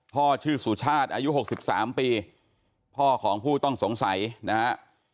พ่อชื่อสุชาติอายุ๖๓ปีพ่อของผู้ต้องสงสัยนะฮะ